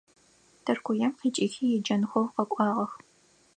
Тыркуем къикIыхи еджэнхэу къэкIуагъэх.